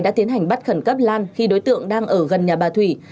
đã tiến hành bắt khẩn cấp lan khi đối tượng đang ở gần nhà bà thủy